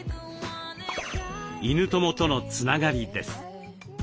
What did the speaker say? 犬友とのつながりです。